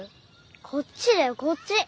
こっちだよこっち。